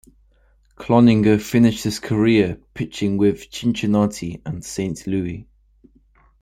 Cloninger finished his career pitching with Cincinnati and Saint Louis.